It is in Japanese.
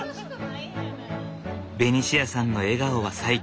ベニシアさんの笑顔は最強。